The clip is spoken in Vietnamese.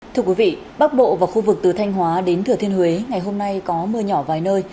thưa quý vị bắc bộ và khu vực từ thanh hóa đến thừa thiên huế ngày hôm nay có mưa nhỏ vài nơi